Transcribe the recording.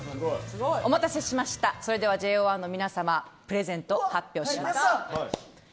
お待たせしましたではＪＯ１の皆さまプレゼントを発表します。